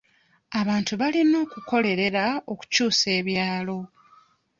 Abantu balina okukolerera okukyusa ebyalo.